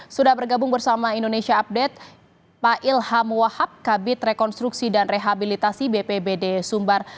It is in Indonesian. sudah bergabung bersama indonesia update pak ilham wahab kabit rekonstruksi dan rehabilitasi bpbd sumbar